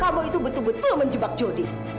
kamu itu betul betul menjebak jodi